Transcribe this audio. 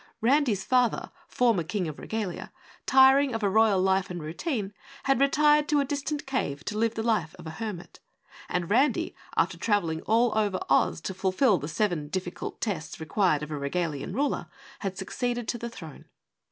Randy's father, former King of Regalia, tiring of a royal life and routine, had retired to a distant cave to live the life of a hermit, and Randy, after traveling all over Oz to fulfil the seven difficult tests required of a Regalian ruler, had succeeded to the throne.